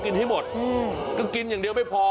ให้หมดก็กินอย่างเดียวไม่พอ